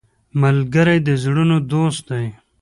ملګری د زړونو دوست دی